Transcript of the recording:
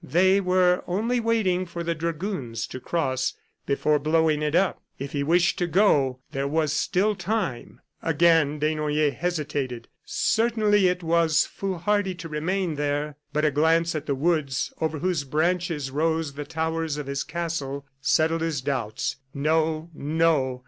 They were only waiting for the dragoons to cross before blowing it up. If he wished to go, there was still time. Again Desnoyers hesitated. Certainly it was foolhardy to remain there. But a glance at the woods over whose branches rose the towers of his castle, settled his doubts. No, no.